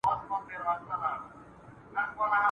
په ځنګله ننوتلی وو بېغمه ..